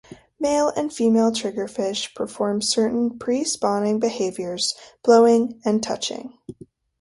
Male and female triggerfish perform certain pre-spawning behaviors: "blowing" and "touching".